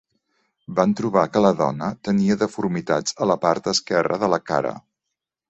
Van trobar que la dona tenia deformitats a la part esquerra de la cara.